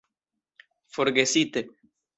Forgesite...